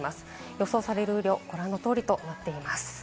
予想される雨量はご覧の通りとなっています。